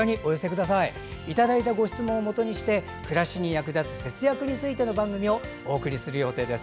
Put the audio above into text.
皆さんからいただいたご質問をもとに暮らしに役立つ節約についての番組をお送りする予定です。